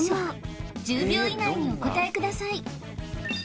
どんな１０秒以内にお答えください